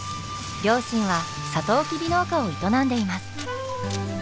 両親はサトウキビ農家を営んでいます。